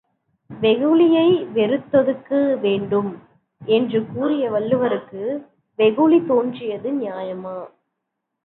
வெகுளியை வெறுத்தொதுக்க வேண்டும் என்று கூறிய வள்ளுவருக்கு வெகுளி தோன்றியது நியாயமா?